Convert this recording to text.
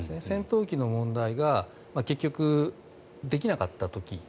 戦闘機の問題が結局できなかった時。